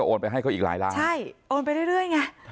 โอนไปให้เขาอีกหลายล้านใช่โอนไปเรื่อยไง